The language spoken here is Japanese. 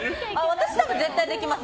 私、絶対できます。